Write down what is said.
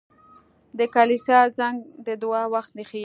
• د کلیسا زنګ د دعا وخت ښيي.